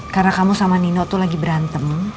karena kamu sama nino tuh lagi berantem